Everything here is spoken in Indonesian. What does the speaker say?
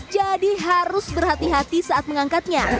jadi harus berhati hati saat mengangkatnya